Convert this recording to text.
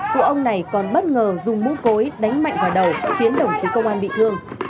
cụ ông này còn bất ngờ dùng mũ cối đánh mạnh vào đầu khiến đồng chí công an bị thương